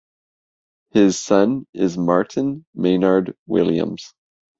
His son is Martin Maynard Williams.